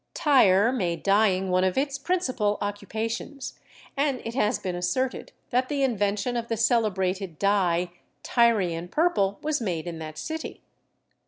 Tyre made dyeing one of its principal occupations, and it has been asserted that the invention of the celebrated dye, Tyrian purple, was made in that city.